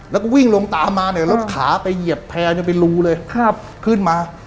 แล้วก็วิ่งลงตามมาเนี่ยแล้วขาไปเหยียบแพร่จนเป็นรูเลยครับขึ้นมา